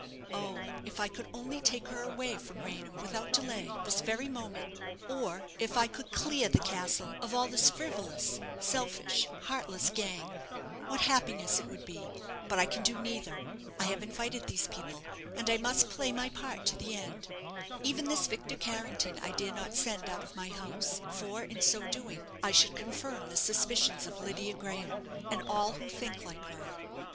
Oh, if I could only take her away from Raynham without delay this very moment or if I could clear the castle of all this frivolous, selfish, heartless gang what happiness it would be! But I can do neither. I have invited these people, and I must play my part to the end. Even this Victor Carrington I dare not send out of my house; for, in so doing, I should confirm the suspicions of Lydia Graham, and all who think like her."